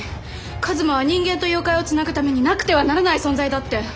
一馬は人間と妖怪をつなぐためになくてはならない存在だって！